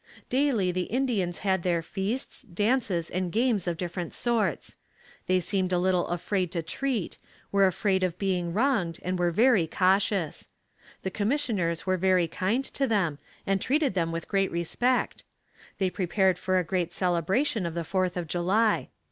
Daily the Indians had their feasts, dances and games of different sorts. They seemed a little afraid to treat, were afraid of being wronged and were very cautious. The commissioners were very kind to them and treated them with great respect. They prepared for a great celebration of the Fourth of July.